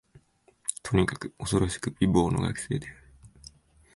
とにかく、おそろしく美貌の学生である